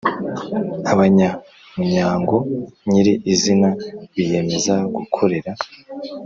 abanyamunyango nyiri izina biyemeza gukorera